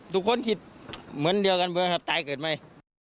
ทุกคนคิดเหมือนเดียวกันเมื่อครับตายเกิดไม่